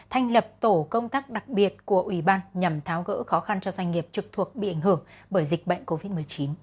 thành lập tổ công tác đặc biệt của ủy ban nhằm tháo gỡ khó khăn cho doanh nghiệp trực thuộc bị ảnh hưởng bởi dịch bệnh covid một mươi chín